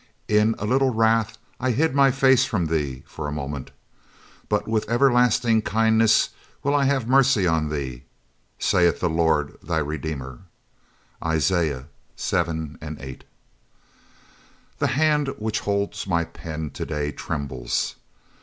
In a little wrath I hid My face from thee for a moment; but with everlasting kindness will I have mercy on thee, saith the Lord thy Redeemer. Isa. liv. 7 and 8. The hand which holds my pen to day trembles.